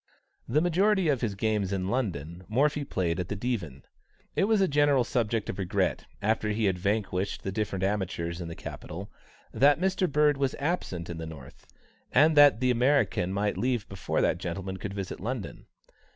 The majority of his games in London, Morphy played at the Divan. It was a general subject of regret, after he had vanquished the different amateurs in the capital, that Mr. Bird was absent in the North, and that the American might leave before that gentleman could visit London.